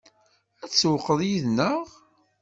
Ad tsewwqeḍ yid-neɣ?